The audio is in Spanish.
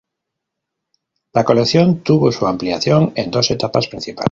La colección tuvo su ampliación en dos etapas principales.